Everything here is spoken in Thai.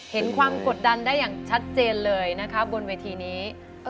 เห็นความกดดันได้อย่างชัดเจนเลยนะคะบนเวทีนี้